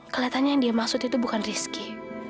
keliatannya yang dia maksud itu bukan rizky